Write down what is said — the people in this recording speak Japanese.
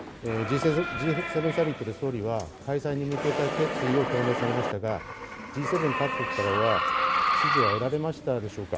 Ｇ７サミットで総理は開催に向けた決意を表明されましたがＧ７各国からは支持は得られましたでしょうか。